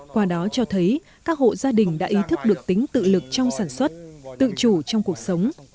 qua đó cho thấy các hộ gia đình đã ý thức được tính tự lực trong sản xuất tự chủ trong cuộc sống